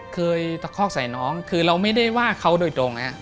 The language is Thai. เคยตะคอกใส่น้องคือเราไม่ได้ว่าเขาโดยตรง